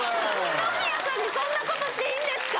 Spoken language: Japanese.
二宮さんにそんなことしていいんですか？